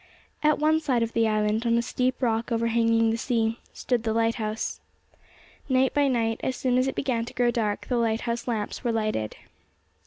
At one side of the island, on a steep rock overhanging the sea, stood the lighthouse. Night by night as soon as it began to grow dark the lighthouse lamps were lighted.